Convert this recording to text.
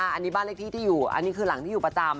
อันนี้บ้านเลขที่ที่อยู่อันนี้คือหลังที่อยู่ประจำ